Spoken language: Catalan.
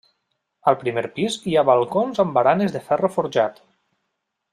Al primer pis hi ha balcons amb baranes de ferro forjat.